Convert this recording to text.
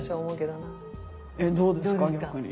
どうですか？